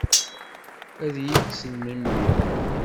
Ad iyi-kksen memmi?